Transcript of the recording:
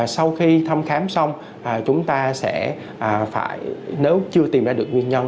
sau khi thăm khám xong chúng ta sẽ nếu chưa tìm ra được nguyên nhân